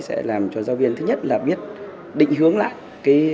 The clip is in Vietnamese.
sẽ làm cho giáo viên thứ nhất là biết định hướng lại